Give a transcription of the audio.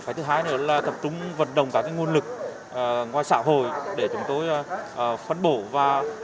cái thứ hai nữa là tập trung vận động các nguồn lực ngoài xã hội để chúng tôi phân bổ và